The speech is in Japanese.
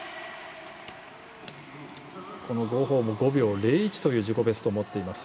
呉鵬も５秒０１という自己ベストを持っています。